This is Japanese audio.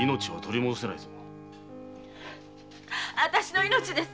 あたしの命です！